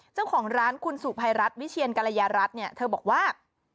เจ้าของร้านคุณสุภัยรัฐวิเชียนกรยารัฐเนี่ยเธอบอกว่า